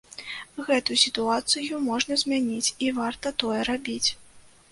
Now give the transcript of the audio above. Гэту сітуацыю можна змяніць, і варта тое рабіць.